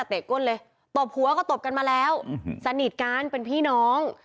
เตะก้นเลยตบหัวก็ตบกันมาแล้วสนิทกันเป็นพี่น้อง